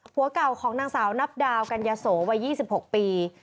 ผัวเก่าของนางสาวนับดาวกัญญาโสวัย๒๖ปี